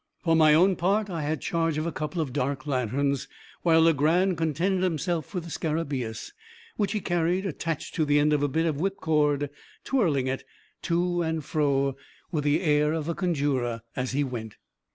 For my own part, I had charge of a couple of dark lanterns, while Legrand contented himself with the scarabaeus, which he carried attached to the end of a bit of whip cord; twirling it to and fro, with the air of a conjurer, as he went.